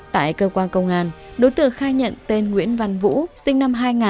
tại cơ quan công an đối tượng khai nhận tên nguyễn văn vũ sinh năm hai nghìn